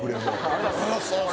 ありがとうございます。